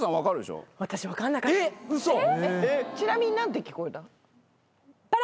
ちなみに何て聞こえた？